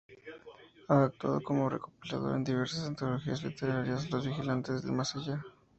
Ha actuado como recopilador en diversas antologías literarias: "Los vigilantes del más allá.